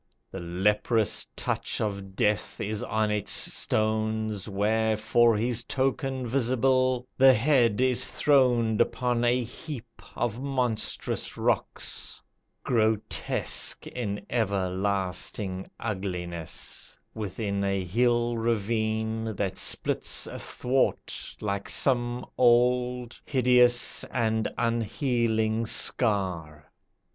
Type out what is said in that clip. The leprous touch of Death is on its stones, Where for his token visible, the Head Is throned upon a heap of monstrous rocks, Grotesque in everlasting ugliness, Within a hill ravine, that splits athwart Like some old, hideous and unhealing scar.